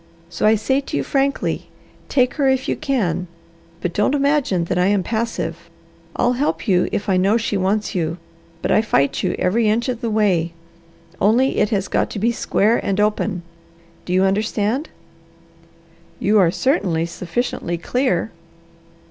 So I say to you frankly, take her if you can, but don't imagine that I am passive. I'll help you if I know she wants you, but I fight you every inch of the way. Only it has got to be square and open. Do you understand?" "You are certainly sufficiently clear."